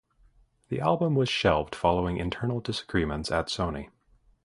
The album was shelved following internal disagreements at Sony.